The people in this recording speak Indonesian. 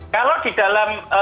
kalau di dalam